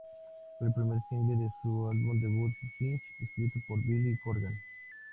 Fue el primer Single de su álbum debut "Gish", escrito por Billy Corgan.